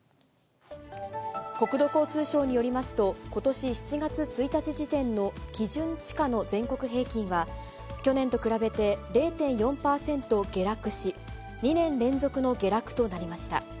国土交通省によりますと、ことし７月１日時点の基準地価の全国平均は、去年と比べて０．４％下落し、２年連続の下落となりました。